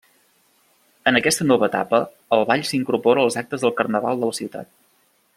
En aquesta nova etapa el Ball s’incorpora als actes del Carnaval de la ciutat.